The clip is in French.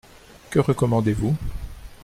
Que recommandez-vous ?